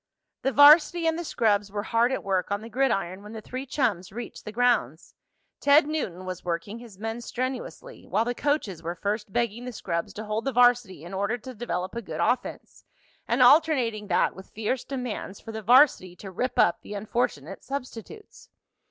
The varsity and the scrubs were hard at work on the gridiron when the three chums reached the grounds. Ted Newton was working his men strenuously, while the coaches were first begging the scrubs to hold the varsity in order to develop a good offense, and alternating that with fierce demands for the varsity to rip up the unfortunate substitutes.